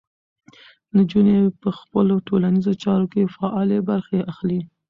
نجونې په خپلو ټولنیزو چارو کې فعالې برخې اخلي.